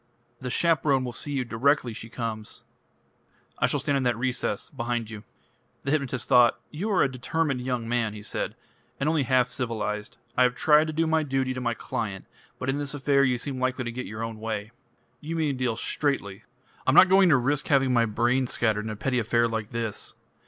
"The chaperone will see you directly she comes " "I shall stand in that recess. Behind you." The hypnotist thought. "You are a determined young man," he said, "and only half civilised. I have tried to do my duty to my client, but in this affair you seem likely to get your own way...." "You mean to deal straightly." "I'm not going to risk having my brains scattered in a petty affair like this."